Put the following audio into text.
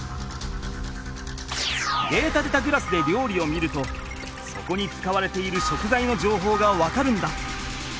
データでたグラスでりょうりを見るとそこに使われている食材のじょうほうが分かるんだ。